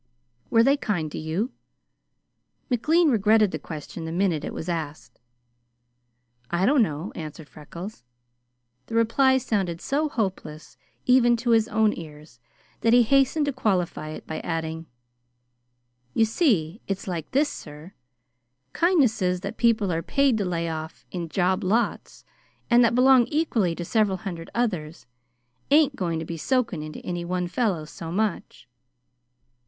"Were they kind to you?" McLean regretted the question the minute it was asked. "I don't know," answered Freckles. The reply sounded so hopeless, even to his own ears, that he hastened to qualify it by adding: "You see, it's like this, sir. Kindnesses that people are paid to lay off in job lots and that belong equally to several hundred others, ain't going to be soaking into any one fellow so much."